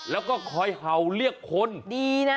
แล้วก็คอยเห่าเรียกคนดีนะ